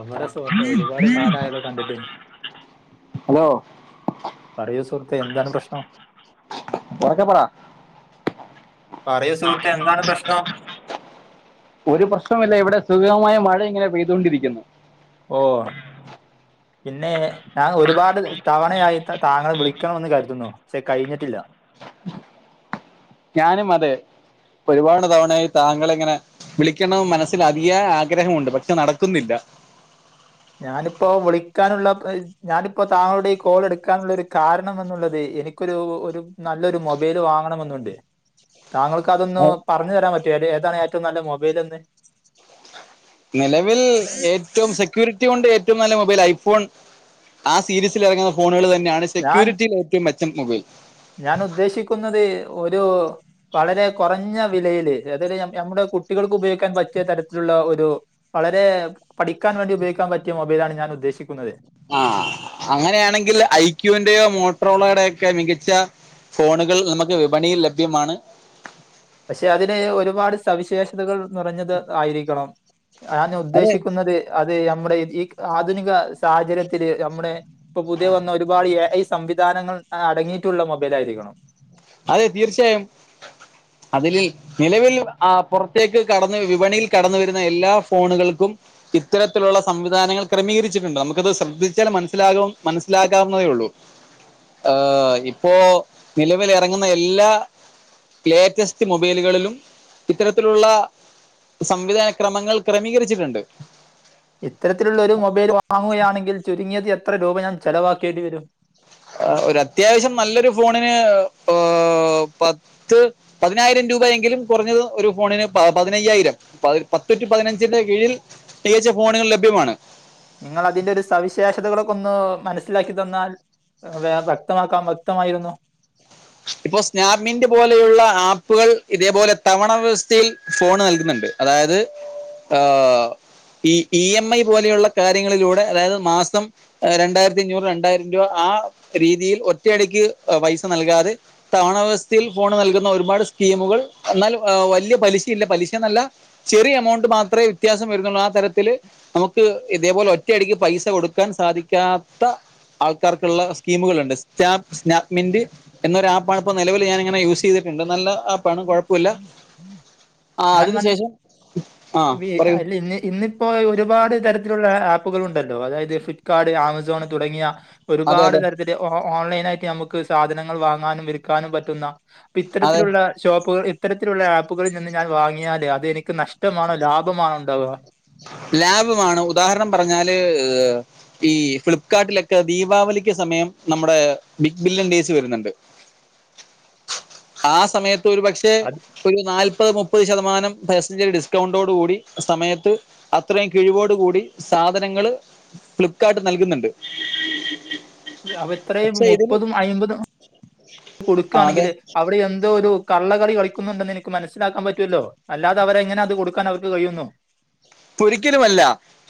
എവടെ സുഹൃത്തേ ഒരുപാട് കാലായാല്ലോ കണ്ടിട്ട് അലോ പറയൂ സുഹൃത്തേ എന്താണ് പ്രശ്നം ഒറക്കെ പറ പറയൂ സുഹൃത്തേ എന്താണ് പ്രശ്നം ഒരു പ്രശ്നോല്ല ഇവിടെ സുഖഗമായ മഴ ഇങ്ങനെ പെയ്തോണ്ടിരിക്കുന്നു ഓഹ് പിന്നെ ഞാൻ ഒരുപാട് തവണയായി ത താങ്ങളെ വിളിക്കണമെന്ന് കരുതുന്നു സെ കയിഞ്ഞിട്ടില്ല ഞാനും അതെ ഒരുപാട് തവണായി താങ്കളിങ്ങനെ വിളിക്കണം മനസ്സിൽ അതിയായ ആഗ്രഹമുണ്ട് പക്ഷെ നടക്കുന്നില്ല ഞാനിപ്പോ വിളിക്കാനുള്ള പയ് ഞാനിപ്പോ താങ്ങളുടെ ഈ കോളെടുക്കാനുള്ള ഒരു കാരണംഎന്നുള്ളത് എനിക്കൊരു ഒരു നല്ലൊരു മൊബൈല് വാങ്ങണമെന്നുണ്ട് താങ്കൾക്ക് അതൊന്ന് പറഞ്ഞുതരാപറ്റൊ ഏതാ ഏതാണ് ഏറ്റവു നല്ല മൊബൈലെന്ന് നെലവിൽ ഏറ്റവും സെക്യൂരിറ്റി കൊണ്ട് ഏറ്റവും നല്ല മൊബൈൽ ഐഫോൺ ആ സീരീസിൽ എറങ്ങുന്ന ഫോണുകള് തന്നെയാണ് ഞാൻ സെക്യൂരിറ്റിലേറ്റവും മെച്ചം മൊബൈല് ഞാൻ ഉദ്ദേശിക്കുന്നത് ഒരു വളരെ കൊറഞ്ഞ വിലയില് അതായത് ഞമ്മുടെ കുട്ടികൾക്ക് ഉപയോഗിക്കാൻ പറ്റിയ തരത്തിലുള്ള ഒരു വളരെ പഠിക്കാൻ വേണ്ടി ഉപയോഗിക്കാൻ പറ്റിയ മൊബൈലാണ് ഞാൻ ഉദ്ദേശിക്കുന്നത് ആഹ് അങ്ങനെയാണെങ്കിൽ ഐക്യുവിന്റെയോ മോട്രോളയുടെക്കെ മികച്ച ഫോണുകൾ നമുക്ക് വിപണിയിൽ ലഭ്യമാണ് പക്ഷെ അതിന് ഒരുപാട് സവിശേഷതകൾ നിറഞ്ഞത് ആയിരിക്കണം ഞാന് അതെ ഉദ്ദേശിക്കുന്നത് അത് അമ്മുടെ ഈ ആധുനിക സാഹചര്യത്തില് നമ്മുടെ ഇപ്പൊ പുതിയ വന്ന ഒരുപാട് എ ഐ സംവിധാനങ്ങൾ അടങ്ങിയിട്ടുള്ള മൊബൈൽ ആയിരിക്കണം അതെ തീർച്ചയായും അതില് നിലവിൽ ആ പെറത്തേക്ക് കടന്ന് വിപണിയിൽ കടന്നു വരുന്ന എല്ലാ ഫോണുകൾക്കും ഇത്തരത്തിലുള്ള സംവിധാനങ്ങൾ ക്രമീകരിച്ചിട്ടുണ്ട് നമുക്കത് ശ്രദ്ധിച്ചാൽ മനസ്സിലാകും മനസ്സിലാക്കാവുന്നതേയൊള്ളൂ ആഹ് ഇപ്പോ എറങ്ങുന്ന എല്ലാ ലേറ്റസ്റ്റ് മൊബൈലുകളിലും ഇത്തരത്തിലുള്ള സംവിധാനക്രമങ്ങൾ ക്രമീകരിച്ചിട്ടുണ്ട് ഇത്തരത്തിലുള്ള ഒരു മൊബൈൽ വാങ്ങുകയാണെങ്കിൽ ചുരുങ്ങിയത് എത്ര രൂപ ഞാൻ ചെലവാക്കേണ്ടി വരും ഒരു അത്യാവശ്യം നല്ലൊരു ഫോണിന് ഓഹ് പത്ത പത്ത് പതിനായിരം രൂപയെങ്കിലും കൊറഞ്ഞത് ഒരു ഫോണിന് പ പതിനയ്യായിരം പ പത്ത്റ്റുപതിനഞ്ചിന്റെ കീഴിൽ പ്രത്യകച്ച് ഫോണുകൾ ലഭ്യമാണ് നിങ്ങളതിന്റെ ഒരു സവിശേഷതകളൊക്കെ ഒന്ന് മനസ്സിലാക്കി തന്നാൽ വേ വ്യക്തമാക്കാൻ വ്യക്തമായിരുന്നു ഇപ്പോ സ്നാപ്മിന്റ് പോലെയുള്ള ആപ്പുകൾ ഇതേപോലെ തവണ വ്യവസ്ഥയിൽ ഫോണ് നൽക്ന്ന്ണ്ട് അതായത് ഏഹ് ഈ ഇ എം ഐ പോലെയുള്ള കാര്യങ്ങളിലൂടെ അതായത് മാസം രണ്ടായിരത്തിഅഞ്ഞൂറ് രണ്ടായിരംരൂപ ആ രീതിയിൽ ഒറ്റയടിക്ക് പൈസ നൽകാതെ തണാവ്യസ്ഥയിൽ ഫോണ് നൽകുന്ന ഒരുപാട് സ്കീമുകൾ എന്നാൽ വല്യയ പലിശ ഇല്ല പലിശ എന്നല്ല ചെറിയ എമൗണ്ട് മാത്രേ വിത്യാസം വരുന്നൊള്ളൂ ആ തരത്തില് നമുക്ക് ഇതേപോലെ ഒറ്റയടിക്ക് പൈസ കൊടുക്കാൻ സാധിക്കാത്ത ആൾക്കാർക്കുള്ള സ്കീമുകളുണ്ട് സ്റ്റാപ സ്റ്റാനാപ്മിന്റ് എന്നൊരു ആപ്പ്ആണ് ഇപ്പോ നെലവില് ഞാനിങ്ങനെ യൂസ് ചെയ്തിട്ട്ണ്ട് നല്ല ആപ്പ്ആണ് കൊഴപ്പുല്ല ആഹ് ഞാൻ അതിന് ശേഷം ആഹ് പറയൂ പിന്ന ഇന്ന് ഇപ്പോ ഒരുപാട് തരത്തിലുള്ള ആപ്പുകളുണ്ടല്ലോ അതായത് ഫി ളിപ്പ്കാർഡ് ആമസോൺ തുടങ്ങിയ അതെ ഒരുപാട് അതെ തര [unintelligible] ഓൺലൈനാ യിട്ട് നമുക്ക് സാധനങ്ങൾ വാങ്ങാനും വിൽക്കാനും പറ്റുന്ന അതെ ഇപ്പത്തരത്തിലുള്ള ഷോപ്പുകൾ ഇത്തരത്തിലുള്ള ആപ്പുകളിൽ നിന്ന് ഞാൻ വാങ്ങിയാല് അത് എനിക്ക് നഷ്ടമാണോ ലാഭമാണോ ഉണ്ടാവുക ലാഭമാണ് ഉദാഹരണം പറ്ഞ്ഞാല് ഈ ഫ്ലിപ്കാർട്ടിലൊക്കെ ദീപാവലിക്ക് സമയം നമ്മുടെ ബിഗ് ബില്യൺ ഡേയ്സ് വര്ന്ന്ണ്ട് ആ സമയത്ത് ഒരു പക്ഷേ അത് മേ ഒരു നാൽപ്പത് മുപ്പത് ശതമാനം പെഴസൻചേ ഡിസ്കൗണ്ടോട് കൂടി സമയത്ത് അത്രയും കിഴിവോടു കൂടി സാധനങ്ങള് ഫ്ലിപ്കാർട്ട് നൽക്ന്ന്ണ്ട് അവ ഇത്രയും മുപ്പതും അയിമ്പതും ആ അതെ കൊട്ക്കാണെങ്കില് അവിടെ എന്തോ ഒരു കള്ളകളി കളിക്കുന്നുണ്ടെന്ന് എനിക്ക് മനസ്സിലാക്കാൻ പറ്റൊല്ലോ അല്ലാതെ അവരെ ങ്ങനെ അത് കൊടുക്കാൻ അവർക്ക് കഴിയുന്നു ഒരിക്കലുമല്ല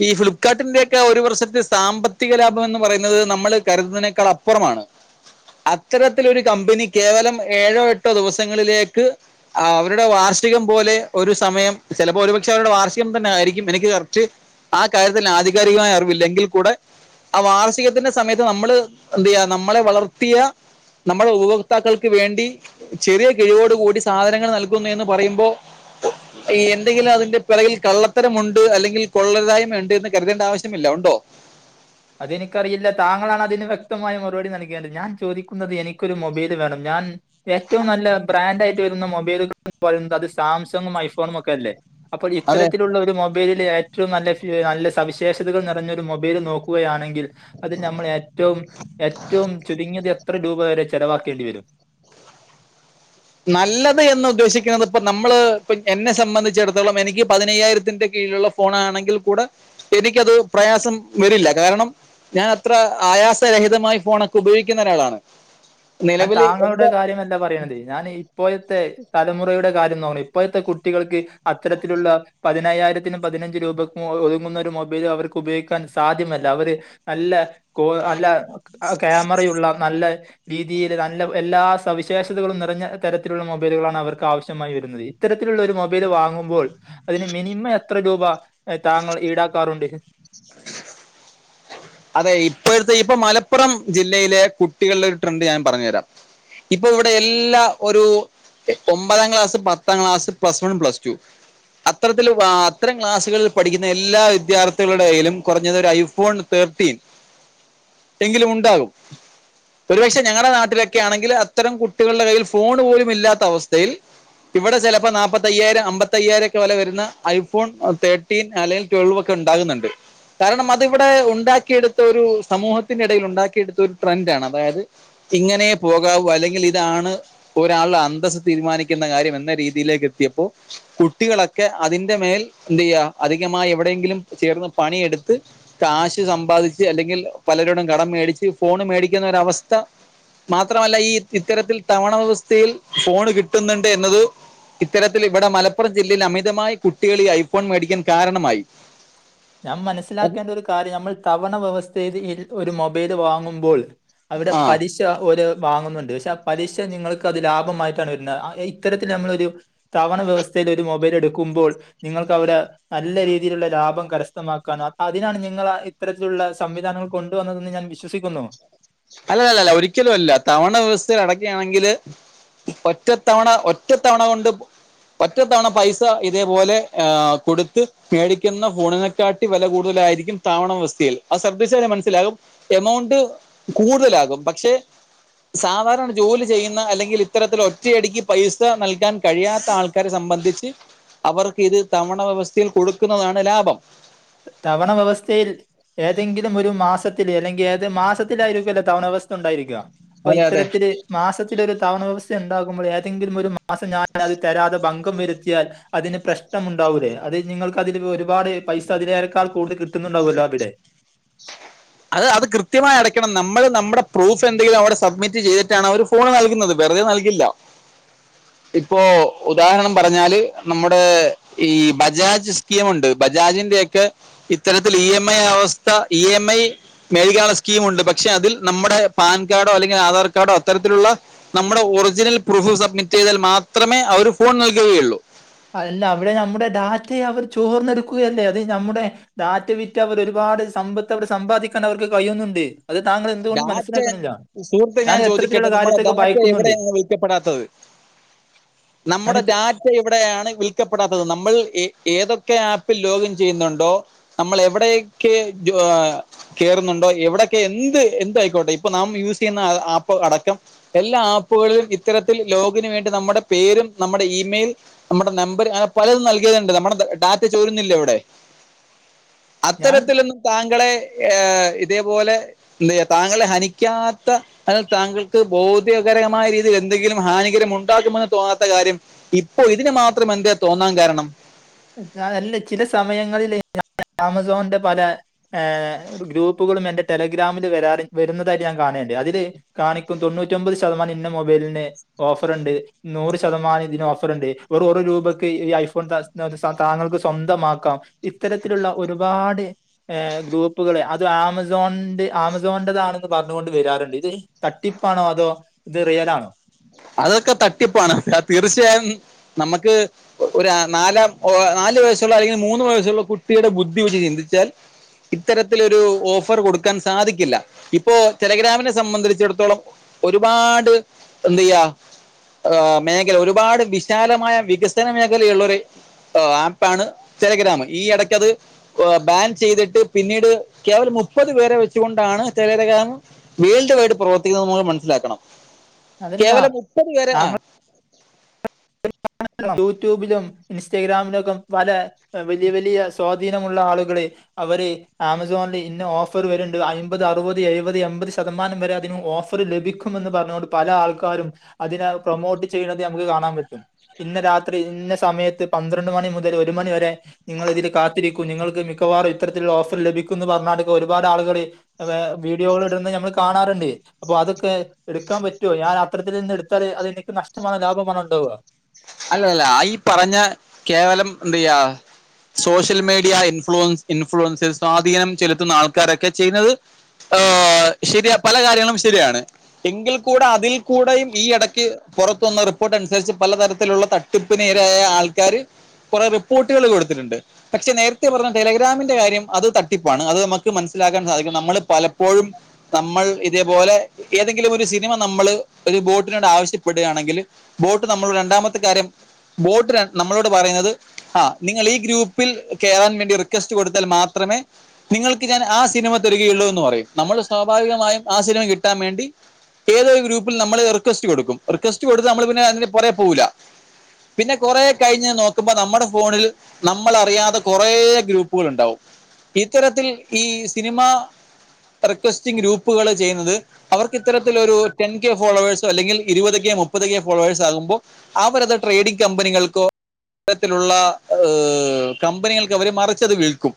ഈ ഫ്ലിപ്കാർട്ടിന്റെയൊക്കെ ഒരു വർഷത്തെ സാമ്പത്തിക ലാഭം എന്ന് പറയുന്നത് നമ്മള് കരുതുന്നതിനേക്കാൾ അപ്പുറമാണ് അത്തരത്തിലൊരു കമ്പനി കേവലം ഏഴോ എട്ടോ ദിവസങ്ങളിലേക്ക് ആഹ് അവരുടെ വാർഷികം പോലെ ഒരു സമയം ചെലപ്പോ ഒരുപക്ഷെ അവരുടെ വാർഷികം തന്നെ ആയിരി യും എനിക്ക് കറക്റ്റ് ആ കാര്യത്തിൽ ആധികാരികമായി അറിവില്ല എങ്കിൽ കൂടെ ആ വാർഷികത്തിന്റെ സമയത്ത് നമ്മള് എന്ത്യ്യാ നമ്മളെ വളർത്തിയ നമ്മുടെ ഉപഭോക്താക്കൾക്ക് വേണ്ടി ചെറിയ കിഴിവോട് കൂടി സാധനങ്ങൾ നൽകും എന്ന് പറയുമ്പോ ഈ എന്തെങ്കിലും അതിന്റെ പിറകിൽ കള്ള ത്തരമുണ്ട് അല്ലെങ്കിൽ കൊള്ളര്തായ്മ ഇണ്ട് എന്ന് കരുതേണ്ട ആവശ്യമില്ല ഉണ്ടോ അതെനിക്കറിയില്ല താങ്കളാണ് അതിന് വ്യക്തമായ മറുപടി നൽകേണ്ടത് ഞാൻ ചോദിക്കുന്നത് എനിക്കൊരു മൊബൈല് വേണം ഞാൻ ഏറ്റവും നല്ല ബ്രാൻഡ് ആയിട്ട് വരുന്ന മൊബൈലുകന്ന് പറയുന്നത് അത് സാംസങ്ങും ഐഫോണും ഒക്കെ അല്ലേ അപ്പ അതെ ഇത്തരത്തിലുള്ള ഒരു മൊബൈലില് ഏറ്റവും നല്ല നല്ല സവിശേഷതകൾ നെറഞ്ഞൊരു മൊബൈല് നോ കുകയാണെങ്കിൽ അതിൽ നമ്മള് ഏറ്റവും ഏറ്റവും ചുരുങ്ങത് എത്ര രൂപ വരെ ചെലവാക്കേണ്ടി വരും നല്ലത് എന്ന് ഉദ്ദേശിക്കുന്നത് ഇപ്പ നമ്മള് എന്നെ സംബന്ധിച്ചിടത്തോളം എനിക്ക് പതിനയ്യായിരത്തിന്റെ കീഴിലുള്ള ഫോണാണെങ്കിൽ കൂടെ എനിക്കത് പ്രയാസം വരില്ല കാരണം ഞാൻ അത്ര ആയാസരഹിതമായി ഫോണൊക്കെ ഉപയോഗിക്കുന്ന ഒരാളാണ് ഞാൻ നിലവിൽ താങ്കളുടെ എന്റെ കാര്യമല്ല പറിണത് ഞാന് ഇപ്പോഴത്തെ തലമുറയുടെ കാര്യംന്നാണ് ഇപ്പോഴത്തെ കുട്ടികൾക്ക് അത്തരത്തിലുള്ള പതിനയ്യായിരത്തിനും പതിനഞ്ച് രൂപക്കും ഒതുങ്ങുന്ന ഒരു മൊബൈല് അവർക്ക് ഉപയോഗിക്കാൻ സാധ്യമല്ല അവര് നല്ല കോ നല്ല ക്യാമറയുള്ള നല്ല രീതിയില് നല്ല എല്ലാ സവിശേഷതകളും നിറഞ്ഞ തരത്തിലുള്ള മൊബൈലുകളാണ് അവർക്ക് ആവശ്യമായി വരുന്നത് ത്തരത്തിലുള്ളോരു മൊബൈല് വാങ്ങുമ്പോൾ അതിന് മിനിമം എത്ര രൂപ താങ്കൾ ഈടാക്കാറുണ്ട് അതെ ഇപ്പോഴത്തെ ഇപ്പം മലപ്പുറം ജില്ലയിലെ കുട്ടികളുടെ ഒര് ട്രെൻഡ് ഞാൻ പറഞ് തരാം ഇപ്പൊ ഇവിടെ എല്ലാ ഒരു ഒമ്പതാം ക്ലാസ് പത്താം class plus one plus two അത്തരത്തില് ആഹ് അത്തരം ക്ലാസ്സുകളിൽ പഠിക്കുന്ന എല്ലാ വിദ്യാർത്ഥികളുടെ കയ്യിലും കൊറഞ്ഞത് ഒര് ഐഫോൺ തേർട്ടീൻ എങ്കിലും ഉണ്ടാകും ഒരുപക്ഷെ ഞങ്ങളുടെ നാട്ടിലൊക്കെ ആണെങ്കിൽ അത്തരം കുട്ടികളുടെ കയ്യിൽ ഫോൺ പോലും ഇല്ലാത്ത അവസ്ഥയിൽ ഇവിടെ ചെലപ്പോ നാപ്പത്തയ്യായിരം അമ്പത്തയ്യായിരം ഒക്കെ വെല വരുന്ന ഐഫോൺ തെ ർടീൻ അലെയ് ടോൽവോക്കെ ഉണ്ടാകുന്നുണ്ട് കാരണം അതിവിടെ ഉണ്ടാക്കിയെടുത്ത ഒരു സമൂഹത്തിന്റെ ഇടയിൽ ഉണ്ടാക്കിയെടുത്ത ഒരു ട്രെൻഡ് ആണ് അതായത് ഇങ്ങനെ പോകാവൂ അല്ലെങ്കിൽ ഇതാണ് ഒരാളുടെ അന്തസ്സ് തീരുമാനിക്കുന്ന കാര്യം എന്ന രീതിയിലേക്ക് എത്തിയപ്പോ കുട്ടികളൊക്കെ അതിന്റെ മേൽ എന്ത് ചെയ്യ അധികമായി എവിടെയെങ്കിലും ചേർന്ന് പണിയെടു ത്ത് കാശ് സമ്പാദിച്ച് അല്ലെങ്കിൽ പലരോടും കടം മേടിച്ച് ഫോണ് മേടിക്കുന്ന ഒരവസ്ഥ മാത്രമല്ല ഈ ഇത്തരത്തിൽ തവണ വെവസ്ഥയിൽ ഫോണ് കിട്ടുന്നുണ്ട് എന്നത് ഇത്തരത്തിൽ ഇവിടെ മലപ്പുറം ജില്ലയിൽ അമിതമായി കുട്ടികള ഈ ഐഫോൺ മേടിക്കാൻ കാരണമായി ഞാൻ മനസ്സിലാക്കേണ്ട ഒരു കാര്യം നമ്മൾ തവണ വ്യവസ്ഥയിൽ ഒരു മൊബൈല് വാങ്ങുമ്പോൾ അവരുടെ ആ പരി പി ഒരു വാങ്ങുന്നുണ്ട് പക്ഷെ ആ പലിശ നിങ്ങൾക്ക് അത് ലാഭമായിട്ടാണ് വരുന്നത് ഇത്തരത്തിൽ നമ്മളൊരു തവണ വ്യവസ്ഥയിൽ ഒരു മൊബൈൽ എടുക്കുമ്പോൾ നിങ്ങൾക്ക്വിടെ നല്ല രീതിയിലുള്ള ലാഭം കര വ്യക്തമാക്കാനോ അതിനാണ് നിങ്ങൾ ഇത്തരത്തിലുള്ള സംവിധാനങ്ങൾ കൊണ്ടുവന്നതെന്ന് ഞാൻ വിശ്വസിക്കുന്നു അല്ല അല്ലല്ല ഒരിക്കലും അല്ല തവണ വ്യവസ്ഥേൽ അടക്കുകയാണെങ്കില് ഒറ്റത്തവണ ഒറ്റത്തവണ കൊണ്ട് ഒറ്റത്തവണ പൈസ ഇതേപോലെ കൊടുത്ത് മേടിക്കുന്ന ഫോണിനെക്കാട്ടി വില കൂടുതലായിരിക്കും താവണ വെവസ്ഥയിൽ അത് ശ്രദ്ധിച്ചാൽ മനസ്സിലാകും എമൗണ്ട് കൂടുതലാകും പക്ഷെ സാധാരണ ജോലി ചെയ്യുന്ന അല്ലെങ്കിൽ ഇത്തരത്തിൽ ഒറ്റയടിക്ക് പൈസ നൽകാൻ കഴിയാത്ത ആൾക്കാരെ സംബന്ധിച്ച് അവർക്ക് ഇത് തവണ വ്യവസ്ഥയിൽ കൊടുക്കുന്നതാണ് ലാഭം തവണ വ്യവസ്ഥയിൽ ഏതെങ്കിലും ഒരു മാസത്തില അല്ലെങ്കിൽ ഏത് മാസത്തിലായിരിക്കുവല്ലോ തവണവസ്ഥ ഉണ്ടായിരിക്കുക അപ്പൊ അതെ അതെ ഇത്തരത്തില് മാസത്തിലൊരു തവണ വവസ്ഥ ഉണ്ടാകുമ്പോൾ ഏതെങ്കിലും ഒരു മാസം ഞാൻ അത് തരാതെ ബ വരുത്തിയാൽ അതിന് പ്രശ്നം ഉണ്ടാവില്ലേ അത് നിങ്ങൾക്കതിൽ ഒരുപാട് പൈസ അതില ക്കാൾ കൂടി കിട്ടുന്നുണ്ടാവുമല്ലോ അവിടെ അത് അത് കൃത്യമായി അടയ്ക്കണം നമ്മൾ നമ്മുടെ പ്രൂഫ് എന്തെങ്കിലും അവിടെ സബ്മിറ്റ് ചെയ്തിട്ടാണ് അവര് ഫോണ് നൽകുന്നത് വെറുതെ നൽകില്ല ഇപ്പോ ഉദാഹരണം പറഞ്ഞാല് നമ്മുടെ ഈ ബജാജ് യുണ്ട് ബജാജിന്റെ ഒക്കെ ഇത്തരത്തിൽ ഇ എം ഐ അവസ്ഥ ഇ എം ഐ മേൽകാല സ്കീം ഉണ്ട് പക്ഷെ അതിൽ നമ്മുടെ പാൻ കാർഡോ അല്ലെങ്കിൽ ആധാർ കാർഡോ അത്തരത്തിലുള്ള നമ്മുടെ ഒറിജിനൽ പ്രൂഫ് സബ്മിറ്റ് ചെയ്താൽ മാത്രമേ അവര് ഫോൺ നൽകുകയുള്ളൂ അല്ല അവിടെ നമ്മുടെ ഡാറ്റയെ അവർ ചോർന്നെടുക്കുകയല്ലേ അത് നമ്മുടെ ഡാറ്റ വിറ്റ് അവർ ഒരുപാട് സമ്പത്ത് സമ്പാദിക്കാൻ അവർക്ക് കഴിയുന്നുണ്ട് അത് താങ്കൾ എന്തുകൊണ്ട് ഡാറ്റ മനസ്സിലാക്കണില്ല? സുഹൃത്ത് ഞാൻ ചോദിക്കട്ടെ ഇത്തരത്തിലുള്ള നമ്മള കാര്യത്തെയൊക്കെ ഡാറ്റ ഭയക്കുന്നുണ്ട്. എവിടെയാണ് വിൽക്കപ്പെടാത്തത് ഞാൻ നമ്മുടെ ഇത്ര ടാ ഇവിടെയാണ് വിൽക്കപ്പെടാത്തത് നമ്മൾ ഏതൊക്കെ ആപ്പിൽ ലോഗിൻ ചെയ്യുന്നുണ്ടോ നമ്മൾ എവിടെയൊക്കെ കേറുന്നുണ്ടോ എവിടയൊക്കെ എന്ത് എന്തുആയിക്കോട്ടെ ഇപ്പൊ നാം യൂസ് ചെയ്യുന്ന ആപ്പ് അടക്കം എല്ലാ ആപ്പുകളിലും ഇത്തരത്തിൽ ലോഗിന് വേണ്ടി നമ്മുടെ പേരും നമ്മുടെ ഇമെയിൽ നമ്മുടെ നമ്പർ അങ്ങനെ പലതും നൽകിയതുണ്ട് നമ്മുടെ ഡാറ്റ ചോരുന്നില്ലെ ഇവിടെ ഞാൻ അത്തരത്തിലൊന്നും താങ്കളെ ഏ ഇതേപോലെ താങ്കളെ ഹനിക്കാത്ത അത് താങ്കൾക്ക് ഭൗതികരമായ രീതിയിൽ എന്തെങ്കിലും ഹാനികരം ഉണ്ടാകുമെന്ന് തോന്നാത്ത കാര്യം ഇപ്പൊ ഇതിന് മാത്രം എന്താ തോന്നാൻ കാരണം അല്ല ചില സമയങ്ങളില് ആമസോണിന്റെ പല ഏഹ് ഗ്രൂപ്പുകളും എന്റെ ടെലഗ്രാമില് വരാ വരുന്നതായിട്ട് ഞാൻ കാണേണ്ട് അതില് കാണിക്കും തൊണ്ണൂറ്റിഒമ്പത് ശതമാനം ഇന്ന മൊബൈലിന് ഓഫറുണ്ട് നൂറ് ശതമാനം ഇതിന് ഓഫറുണ്ട് ഒരു രൂപക്ക് ഈ ഐഫോൺ താങ്കൾക്ക് സ്വന്തമാക്കാം ഇത്തരത്തിലുള്ള ഒരുപാട് ഏഹ് ഗ്രൂപ്പുകള് അത് ആമസോൺന്റെ ആമസോൺന്റതാണ്ന്ന് പർഞ്ഞ് കൊണ്ട് വെരാറ്ണ്ട് ഇത് തട്ടിപ്പാണോ അതോ ഇത് റിയലാണോ അതൊക്കെ തട്ടിപ്പാണ് തീർച്ചയായും നമ്മക്ക് ഒരാ നാലാം ഒ നാല് വയസ്സുള്ള അല്ലെങ്കിൽ മൂന്ന് വയസ്സുള്ള കുട്ടിയുടെ ബുദ്ധി വെച്ച് ചിന്തിച്ചാൽ ഇത്തരത്തിലൊരു ഓഫർ കൊടുക്കാൻ സാധിക്കില്ല ഇപ്പോ ടെലഗ്രാമിനെ സംബന്ധടിച്ചെട്ത്തോളം ഒരുപാട് എന്തെയ്യാ ആഹ് മേഖെല ഒരുപാട് വിശാലമായ വികസന മേഖെലയുള്ളൊര് ഒ ആപ്പാണ് ടെലഗ്രാമ് ഈ എടയ്ക്കത് ബാൻ ചെയ്തിട്ട് പിന്നീട് കേവലം മുപ്പത് പേരെ വെച്ച്കൊണ്ടാണ് ടെലെലെഗ്രാം വേൾഡ് വൈഡ് പ്രവർത്തിക്കുന്നത് മൂലം മൻസ്സ്ലാക്കണം അതെന്താ അത് വെരെ ആഹ് യൂടുബ്‌ലും ഇൻസ്റ്റാഗ്രാമിലൊക്കെ പല വലിയ വലിയ സ്വാധീനമുള്ള ആളുകള് അവര് ആമസോൺല് ഇന്ന ഓഫർ വര്ണ്ട് അയ്മ്പത് അറുവത് എഴുവത് എമ്പത് ശതമാനം വെരെ അതിന് ഓഫ് ഫെറ് ലെഭിക്കുമെന്ന് പർഞ്ഞു കൊണ്ട് പല ആൾക്കാരും അതിനെ പ്രൊമോട്ട് ചെയ്യ്ണത് ഞമ്ക്ക് കാണാം പെറ്റും ഇന്ന രാത്രി ഇന്ന സമയത്ത് പന്ത്രണ്ട് മണി മുതല് ഒരു മണി വരെ നിങ്ങള് ഇതില് കാത്തിരി ക്കൂ നിങ്ങൾക്ക് മിക്കവാറും ഇത്തര്ത്തില്ള്ള ഓഫർ ലഭിക്കുംന്ന് പർഞ്ഞാണ്ട്ക്കെ ഒരുപാട് ആള്കള് വേ വീഡിയോകള് ഇട്ന്നെ ഞമ്മള് കാണാറ്ണ്ട് അപ്പൊ അതൊക്കെ എട്ക്കാം പറ്റോ ഞാൻ അത്തരത്തില് നിന്നെട്ത്താൽ അതെനിക്ക് നഷ്ടമാണോ ലാഭമാണോണ്ടാവ അല്ല അല്ലലാ ഈ പറഞ്ഞ കേവലം എന്തെയ്യാ സോഷ്യൽ മീഡിയ ഇൻഫ്ലുവൻസ് ഇൻഫ്ലുവൻസേസ് സാധീനം ചെല്ത്തുന്ന ആൾക്കാരൊക്കെ ചെയ്ന്നത് ആഹ് ശെരിയാ പല കാര്യങ്ങളും ശെരിയാണ് എങ്കിൽ കൂടെ അതിൽ കൂടെയും ഈ ഇടയ്ക്ക് പാെറത്ത് വന്ന റിപ്പോർട്ട് അൻസര്ച്ച് പല തര ത്തിലുള്ള തട്ട്പ്പ്ന് ഇരായായ ആൾക്കാര് കൊറേ റിപ്പോട്ടുകള് കൊട്ത്തിട്ട്ണ്ട് പക്ഷെ നേര്ത്തെ പറഞ്ഞ ടെലെഗ്രാമിന്റെ കാര്യം അത് തട്ടിപ്പാണ് അത് നമ്മക്ക് മനസ്സിലാക്കാൻ സാധിക്കും നമ്മള് പലപ്പോഴും നമ്മൾ ഇതേപോലെ ഏതെങ്കിലും ഒര് സിനിമ നമ്മള് ഒരു ബോട്ടിനോട് ആവശ്യപ്പെട്കാണെങ്കില് ബോട്ട് നമ്മളോട് രണ്ടാമത്തെ കാര്യം ബോട്ട് ര നമ്മളോട് പറയ്ന്നത് ആഹ് നിങ്ങൾ ഈ ഗ്രൂപ്പിൽ കേറാൻ വേണ്ടി റിക്വെസ്റ്റ് കൊടുത്താൽ മാത്രമേ നിങ്ങൾക്ക് ഞാൻ ആ സിനിമ തരികയൊള്ളൂന്ന് പറയും നമ്മള് സ്വാഭാവികമായും ആ സിനിമ കിട്ടാൻ വേണ്ടി ഏതോ ഒരു ഗ്രൂപ്പിൽ നമ്മള് റിക്വസ്റ്റ് കൊട്ക്കും റിക്വസ്റ്റ് കൊട്ത്ത് നമ്മള് പിന്നെ അതിന്റെ പാെറേ പോവൂലാ പിന്നെ കാെറേ കയ്ഞ്ഞ് നോക്ക്മ്പം നമ്മടെ ഫോണിൽ നമ്മളറിയാതെ കൊറേ ഗ്രൂപ്പ്കള്ണ്ടാവും ഇത്തരത്തിൽ ഈ സിനിമാ റിക്വസ്റ്റിംങ്‌ ഗ്രൂപ്പ്കള് ചെയ്യ്ന്നെത് അവർക്ക് ഇത്തരത്തിലൊരു ടെൻ കെ ഫോളോവേഴ്സോ അല്ലെങ്കിൽ ഇരുവത് കെ മുപ്പത് കെ ഫോളോവേഴ്സ് ആകുമ്പോ അവരത് ട്രേഡിംഗ് കമ്പനികൾക്കോ ത്തര്ത്തിലുള്ള ഏഹ് കമ്പനികൾക്കവര് മറിച്ചത് വിൽക്കും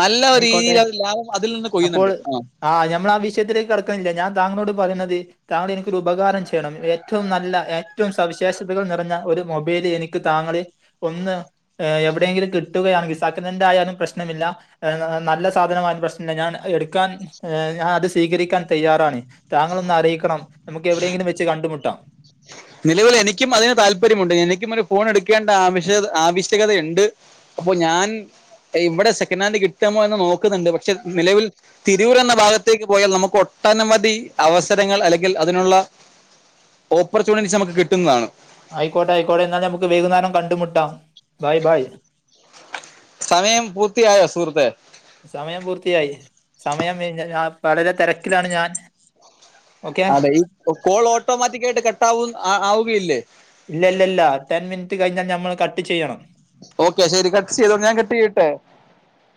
നല്ല ഒര് ആയിക്കോട്ടെ രീതിയിലൊരു ലാഭം അതിൽ നിന്ന് കൊയ്യുന്ന്ണ്ട് ആഹ് ആഹ് ഞമ്മളാ വിഷയത്തിലേക്ക് കടക്ക്ന്നില്ല ഞാൻ താങ്കളോട് പറയുന്നത് താങ്കൾ എനിക്കൊരു ഉപകാരം ചെയ്യണം ഏറ്റവും നല്ല ഏറ്റവും സവിശേഷതകൾ നിറഞ്ഞ ഒര് മൊബൈല് എനിക്ക് താങ്ങള് ഒന്ന് ഏഹ് എവിടെയെങ്കിലും കിട്ടുകയാണെങ്കി സക്കനന്റായാലും പ്രശ്നമില്ലാ ഏഹ് നല്ല സാധനമായാലും പ്രശ്നല്ല ഞാൻ എട്ക്കാൻ എഹ് ഞാൻ അത് സ്വീകരിക്കാൻ തയ്യാറാണ് താങ്കളൊന്ന് അറിയിക്കണം നമുക്ക് എവിടെയെങ്കിലും വെച്ച് കണ്ട്മുട്ടാം [unintelligible] നിലവിൽ എനിക്കും അതിന് താല്പര്യമുണ്ട് എനിക്കും ഒരു ഫോൺ എട്ക്കേണ്ട ആവശ്യകത ആവശ്യകതയ്ണ്ട് അപ്പൊ ഞാൻ ഇവിടെ സെക്കനാന്റ് കിട്ട്മോ എന്ന് നോക്ക്ന്ന്ണ്ട് പക്ഷെ നിലവിൽ തിരൂരെന്ന ഭാഗത്തേക്ക് പോയാൽ നമുക്ക് ഒട്ടനവധി അവസരങ്ങൾ അല്ലെങ്കിൽ അതിനുള്ള ഓപ്പർച്യുണി നമുക്ക് കിട്ടുന്നതാണ് ആയിക്കോട്ടെ ആയിക്കോട്ടെ എന്നാൽ നമുക്ക് വൈകുന്നേരം കണ്ടുമുട്ടാം ബായ് ബായ് സമയം പൂർത്തിയായൊ സുഹൃത്തേ സമയം പൂർത്തിയായി സമയം കഴിഞ്ഞ ഞാൻ വളരെ തെര ക്കിലാണ് ഞാൻ ഓക്കെ അതെ ഈ കോൾ ഓട്ടോമാറ്റിക്കായിട്ട് കാട്ടാവു ആവുകയില്ലേ ഇല്ല ഇല്ല ഇല്ല ടെൻ മിനിറ്റ് കഴിഞ്ഞാൽ ഞമ്മള് കട്ട് ചെയ്യണം ഓക്കെ ശരി കട്ട് ചെയ്തോ ഞാൻ കട്ട് ചെയ്യട്ടെ